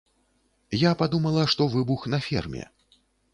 Я падумала, што выбух на ферме.